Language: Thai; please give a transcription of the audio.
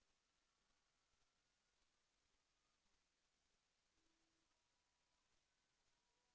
แสวได้ไงของเราก็เชียนนักอยู่ค่ะเป็นผู้ร่วมงานที่ดีมาก